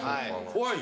怖い？